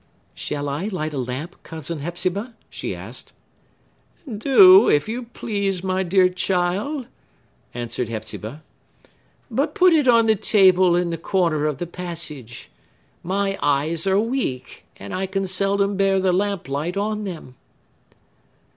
"Shall I light a lamp, Cousin Hepzibah?" she asked. "Do, if you please, my dear child," answered Hepzibah. "But put it on the table in the corner of the passage. My eyes are weak; and I can seldom bear the lamplight on them."